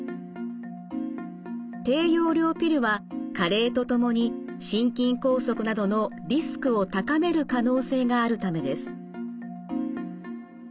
低用量ピルは加齢とともに心筋梗塞などのリスクを高める可能性があるためです。